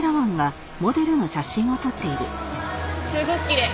すごくきれい。